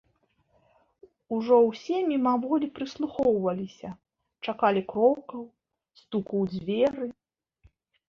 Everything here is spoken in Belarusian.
Ужо ўсе мімаволі прыслухоўваліся, чакалі крокаў, стуку ў дзверы.